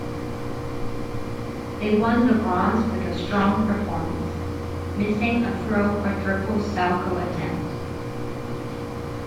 They won the bronze with a strong performance, missing a throw quadruple salchow attempt.